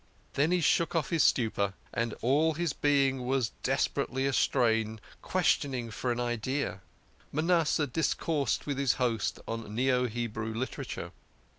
Then he shook off his stupor, and all his being was desperately astrain, questing for an idea. Manasseh discoursed with his host on neo Hebrew literature.